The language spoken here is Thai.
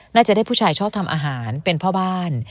น่าจะได้ผู้ชายชอบทำอาหารเป็นพ่อบ้าน